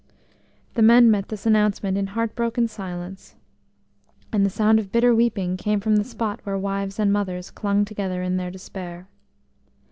The men met this announcement in heartbroken silence, and the sound of bitter weeping came from the spot where wives and mothers clung together in their despair.